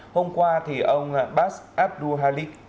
hôm qua ông bas abdoul halik